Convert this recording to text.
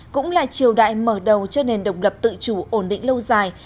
cũng là triều đại mở đầu cho nền độc lập tự chủ ổn định lâu dài